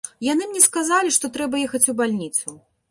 Яны мне сказалі, што трэба ехаць у бальніцу.